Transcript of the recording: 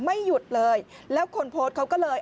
ไม่หยุดเลยแล้วคนโพสต์เขาก็เลย